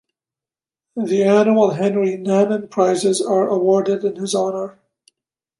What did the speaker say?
The annual Henri Nannen Prizes are awarded in his honor.